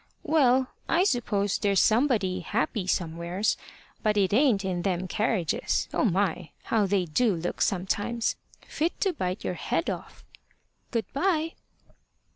Well! I suppose there's somebody happy somewheres. But it ain't in them carriages. Oh my! how they do look sometimes fit to bite your head off! Good bye!"